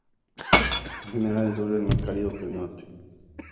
En general el sur es más cálido que el norte.